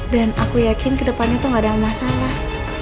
dan aku yakin ke depannya tuh gak ada masalah